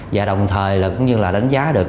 và đồng thời là cũng như là đánh giá được